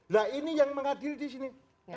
nah ini yang mengadil disini